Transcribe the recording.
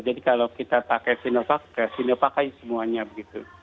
jadi kalau kita pakai sinovac sinovac aja semuanya begitu